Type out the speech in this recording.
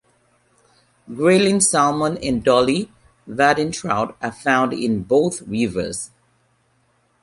Grayling, salmon, and Dolly Varden trout are found in both rivers.